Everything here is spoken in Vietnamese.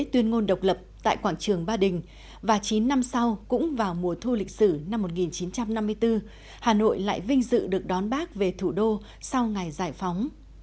tuyên ngôn độc lập tại quảng trường ba đình và chín năm sau cũng vào mùa thu lịch sử năm một nghìn chín trăm năm mươi bốn hà nội lại vinh dự được đón bác về thủ đô sau ngày giải phóng